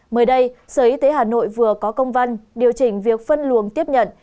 mới đây sở y tế hà nội vừa có công văn điều chỉnh việc phân luồng tiếp nhận